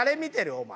お前。